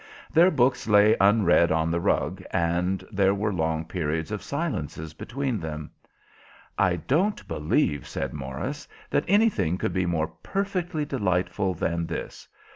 Their books lay unread on the rug, and there were long periods of silences between them. "I don't believe," said Morris, "that anything could be more perfectly delightful than this.